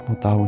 kamu tahu din